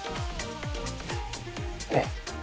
ねっ。